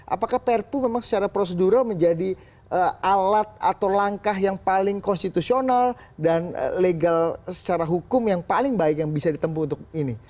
apakah perpu memang secara prosedural menjadi alat atau langkah yang paling konstitusional dan legal secara hukum yang paling baik yang bisa ditempu untuk ini